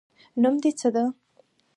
نوم دې څه ده؟